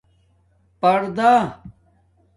پردا